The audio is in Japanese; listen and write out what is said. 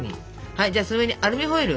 はいじゃその上にアルミホイル。